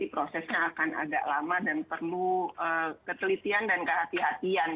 jadi prosesnya akan agak lama dan perlu ketelitian dan kehati hatian